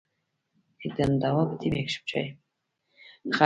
خلجیانو ته د یوه پردي قوم په سترګه ګوري.